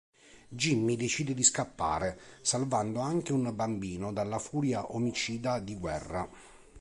Jimmy decide di scappare, salvando anche un bambino dalla furia omicida di "Guerra".